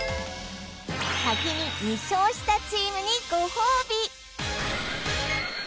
先に２勝したチームにごほうび！